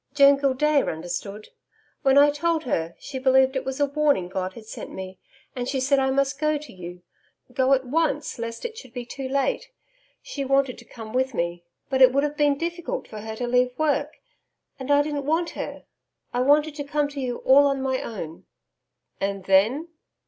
Joan Gildea understood. When I told her, she believed it was a warning God had sent me, and she said I must go to you go at once lest it should be too late. She wanted to come with me, but it would have been difficult for her to leave her work, and I didn't want her I wanted to come to you all on my own.' 'And then?